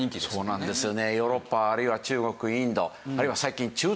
そうなんですよね。